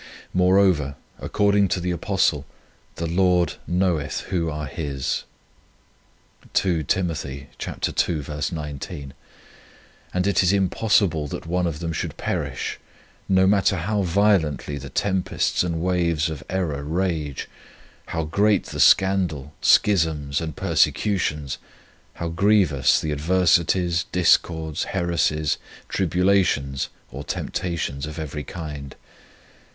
Moreover, according to the Apostle, "the Lord knoweth who are His," 1 and it is impossible that one of them should perish, no matter how violently the tempests and waves of error rage, how great the scandal, schisms and persecu tions, how grievous the adversities, discords, heresies, tribulations, or temptations of every kind.